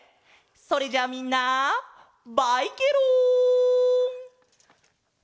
それじゃあみんなバイケロン！